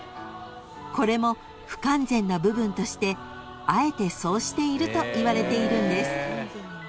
［これも不完全な部分としてあえてそうしているといわれているんです］